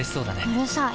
うるさい。